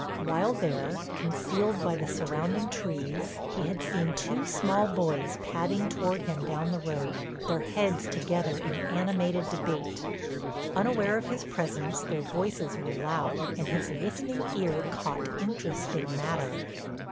While there, concealed by the surrounding trees, he had seen two small boys padding toward him down the road, their heads together in animated debate. Unaware of his presence their voices were loud and his listening ear caught interesting matter.